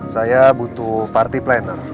saya butuh party planner